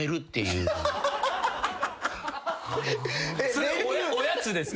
それおやつですか！？